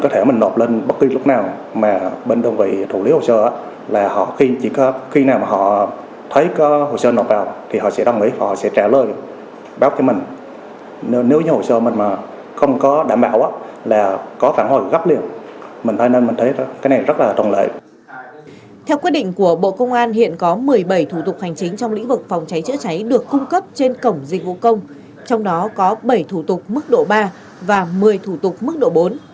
theo quyết định của bộ công an hiện có một mươi bảy thủ tục hành chính trong lĩnh vực phòng cháy chữa cháy được cung cấp trên cổng dịch vụ công trong đó có bảy thủ tục mức độ ba và một mươi thủ tục mức độ bốn